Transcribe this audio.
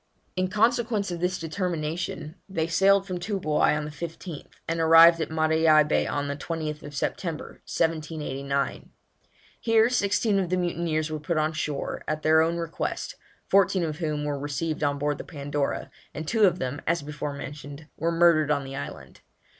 In consequence of this determination they sailed from Toobouai on the 15th, and arrived at Matavai Bay on the 20th September, 1789. Here sixteen of the mutineers were put on shore, at their own request, fourteen of whom were received on board the Pandora, and two of them, as before mentioned, were murdered on the island.